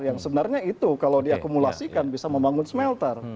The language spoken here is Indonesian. yang sebenarnya itu kalau diakumulasikan bisa membangun smelter